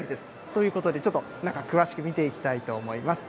ということで、ちょっと中、詳しく見ていきたいと思います。